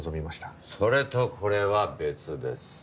それとこれは別です。